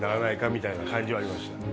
みたいな感じはありました。